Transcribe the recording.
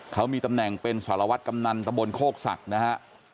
เขามีตำแหน่งเป็นสารวัตรกำนันตะบนโคกศักดิ์นะฮะ